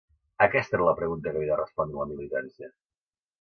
Aquesta era la pregunta que havia de respondre la militància.